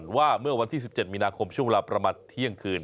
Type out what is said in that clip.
ว่าเมื่อวันที่๑๗มีนาคมช่วงเวลาประมาณเที่ยงคืน